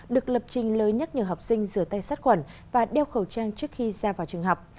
được lập trình lời nhắc nhờ học sinh rửa tay sát khuẩn và đeo khẩu trang trước khi ra vào trường học